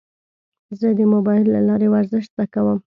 زه د موبایل له لارې ورزش زده کوم.